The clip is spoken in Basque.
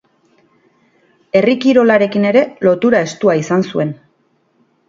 Herri kirolarekin ere lotura estua izan zuen.